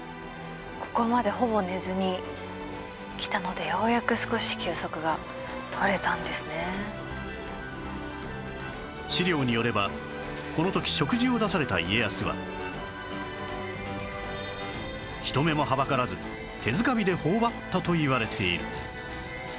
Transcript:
ここまでほぼ寝ずに来たので史料によればこの時食事を出された家康は人目もはばからず手づかみで頬張ったといわれている